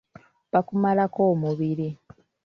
Bukumalako omubiri.